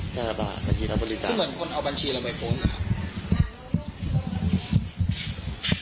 ใช่หรือเปล่าบัญชีเราบริษัทคือเหมือนคนเอาบัญชีเราไปโฟ้งอ่ะ